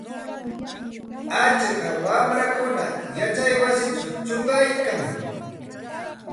Atska wamrakunam yachana wasichaw chuqayarkan.